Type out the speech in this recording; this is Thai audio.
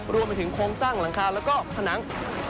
รวมไปถึงโครงสร้างหลังคาแล้วก็ผนัง